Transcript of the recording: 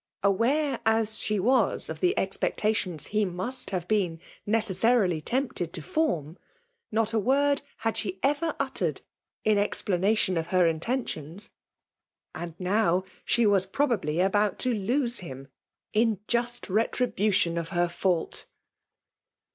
Aware as she was of the expectations he must have been necessarily tempted to form, not a word had she ever uttered in explanation of her inten tions. And now, she was probably about to lose him» in just retribution of her fault!